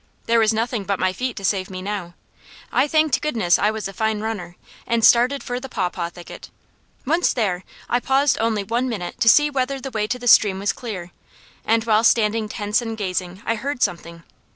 There was nothing but my feet to save me now. I thanked goodness I was a fine runner, and started for the pawpaw thicket. Once there, I paused only one minute to see whether the way to the stream was clear, and while standing tense and gazing, I heard something.